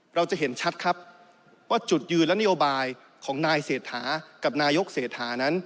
เราจะเห็นชัดครับว่าจุดยืนและนโยบายของนายเศรษฐากับนายกเศรษฐานั้น